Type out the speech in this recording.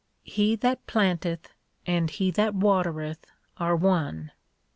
He that planteth, and he that watereth are one.